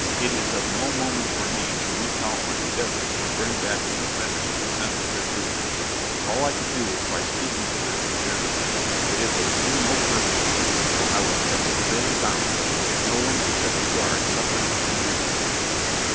'It is of no moment for me to recount my endeavours to bring back the offenders to a sense of their duty; all I could do was by speaking to them in general; but it was to no purpose, for I was kept securely bound, and no one except the guard suffered to come near me.